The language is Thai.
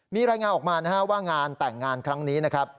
มีรายงานออกมานะฮะว่างานแต่งงานครั้งนี้นะครับ